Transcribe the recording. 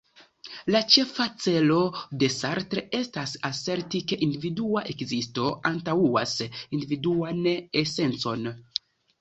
La ĉefa celo de Sartre estas aserti, ke individua ekzisto antaŭas individuan esencon.